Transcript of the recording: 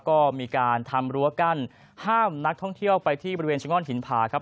ก็มีการทำรั้วกั้นห้ามนักท่องเที่ยวไปที่บริเวณชะง่อนหินผาครับ